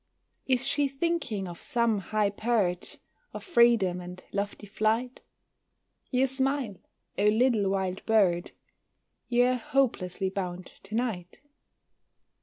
Is she thinking of some high perch Of freedom, and lofty flight? You smile; oh, little wild bird, You are hopelessly bound to night!